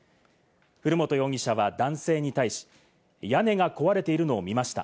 古本容疑者は男性に対し、屋根が壊れているのを見ました。